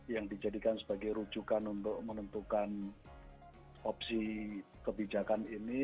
yang dijadikan sebagai rujukan untuk menentukan opsi kebijakan ini